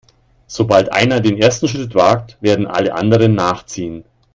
Sobald einer den ersten Schritt wagt, werden alle anderen nachziehen.